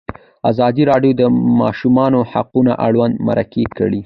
ازادي راډیو د د ماشومانو حقونه اړوند مرکې کړي.